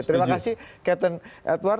terima kasih captain edward